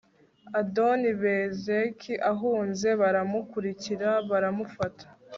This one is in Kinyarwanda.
adoni-bezeki ahunze baramukurikira baramufata